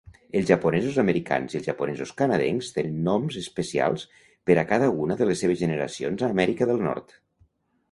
Els japonesos americans i els japonesos canadencs tenen noms especials per a cada una de les seves generacions a Amèrica del Nord.